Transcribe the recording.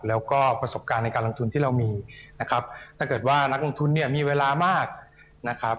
แล้วก็ประสบการณ์ในการลงทุนที่เรามีนะครับถ้าเกิดว่านักลงทุนเนี่ยมีเวลามากนะครับ